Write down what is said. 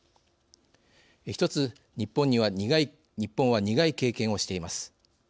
一つ、日本は苦い経験をしています。